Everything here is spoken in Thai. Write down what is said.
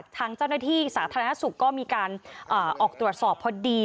ทางเจ้าหน้าที่สาธารณสุขก็มีการออกตรวจสอบพอดี